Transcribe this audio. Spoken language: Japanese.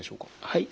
はい。